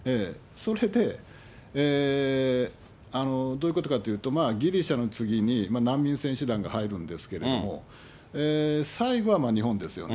それで、どういうことかというと、ギリシャの次に、難民選手団が入るんですけれども、最後は日本ですよね。